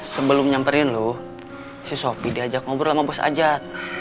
sebelum nyamperin loh si sopi diajak ngobrol sama bos ajat